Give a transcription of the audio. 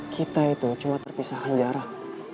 kita itu cuma terpisahkan jarak